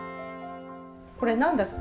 これ何だった？